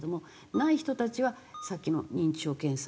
ない人たちはさっきの認知症検査。